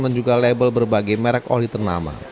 dan juga label berbagai merek oli ternama